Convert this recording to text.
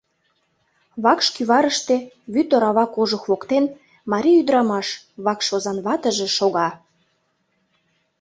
Вакш кӱварыште, вӱд орава кожух воктен, марий ӱдырамаш, вакш озан ватыже, шога.